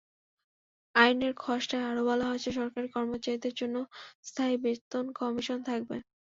আইনের খসড়ায় আরও বলা হয়েছে, সরকারি কর্মচারীদের জন্য স্থায়ী বেতন কমিশন থাকবে।